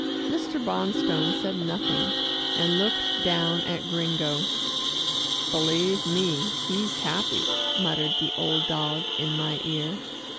Mr. Bonstone said nothing, and looked down at Gringo. "Believe me, he's happy," muttered the old dog in my ear.